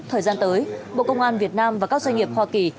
thời gian tới bộ công an việt nam và các doanh nghiệp hoa kỳ